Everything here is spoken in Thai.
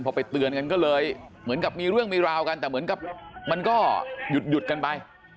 พอไปเตือนกันก็เลยเหมือนกับมีเรื่องมีราวกันแต่เหมือนกับมันก็หยุดกันไป